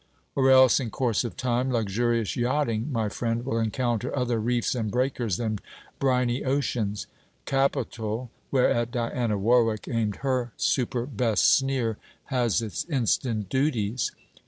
Or else, in course of time, luxurious yachting, my friend, will encounter other reefs and breakers than briny ocean's! Capital, whereat Diana Warwick aimed her superbest sneer, has its instant duties.